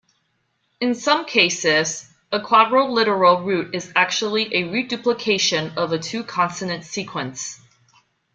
In some cases, a quadriliteral root is actually a reduplication of a two-consonant sequence.